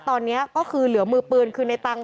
ตอนนี้ก็คือเหลือมือปืนคือในตังค